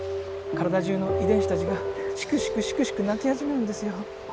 体じゅうの遺伝子たちがシクシクシクシク泣き始めるんですよ。